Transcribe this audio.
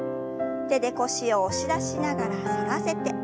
手で腰を押し出しながら反らせて。